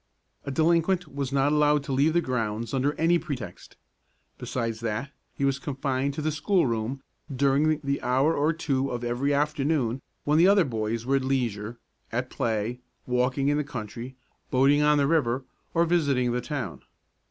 A delinquent was not allowed to leave the grounds under any pretext. Besides that, he was confined to the schoolroom during the hour or two of every afternoon when the other boys were at leisure, at play, walking in the country, boating on the river, or visiting the town.